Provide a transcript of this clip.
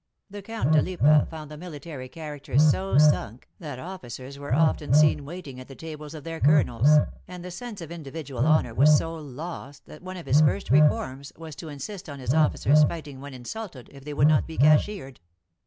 The Count de Lippe found the military char acter so sunk, that officers were often seen waiting at the tables of their colonels ; and the sense of indi vidual honor was so lost, that one of his first reforms was to insist on his officers fighting when insulted, if they would not be cashiered."